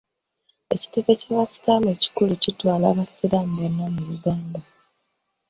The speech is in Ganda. Ekitebe ky'Abasiraamu ekikulu kitwala Abasiraamu bonna mu Uganda.